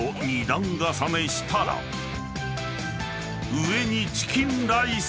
［上にチキンライス］